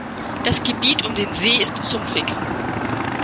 Das Gebiet um den See ist sumpfig.